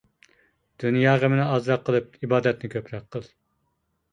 دۇنيا غېمىنى ئازراق قىلىپ، ئىبادەتنى كۆپرەك قىل.